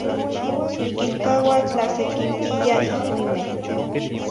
Niquilcaua tlasequimpiya ihuimeh.